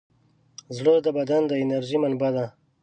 زړه د بدن د انرژۍ منبع ده.